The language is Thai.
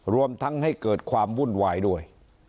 รวมทั้งให้เกิดความวุ่นวายด้วย